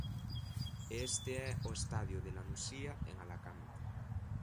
E este é o estadio de La Nucía, en Alacante.